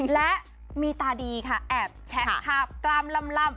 และมีตาดีค่ะแอบแชะภาพกล้ามล่ำ